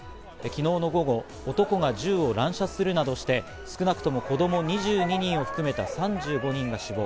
昨日午後、男が銃を乱射するなどして、少なくとも子供２２人を含めた３５人が死亡。